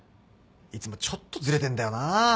いつもちょっとずれてんだよなぁ。